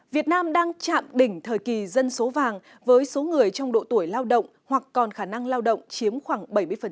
việt nam đang chạm đỉnh thời kỳ dân số vàng với số người trong độ tuổi lao động hoặc còn khả năng lao động chiếm khoảng bảy mươi